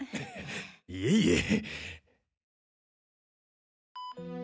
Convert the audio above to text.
いえいえ。